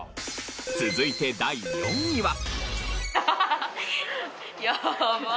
続いて第４位は。